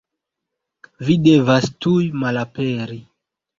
Vi devas tuj malaperi.